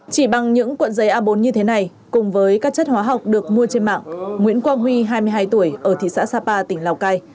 chỉ bằng những cuộn giấy a bốn như thế này cùng với các chất hóa học được mua trên mạng nguyễn quang huy hai mươi hai tuổi ở thị xã sapa tỉnh lào cai